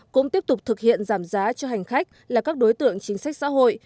cũng tiếp tục thực hiện giảm giá cho hành khách là các đối tượng chính sách xã hội